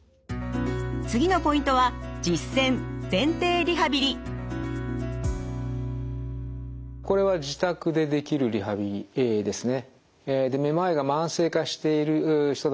次のポイントはこれは自宅でできるリハビリですね。